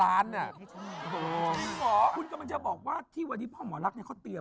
มาให้กล้องตอนจบรายการก็ทนไว้ไม่ไหว